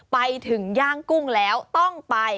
ไปถึงย่างกุ้งแล้วต้องไป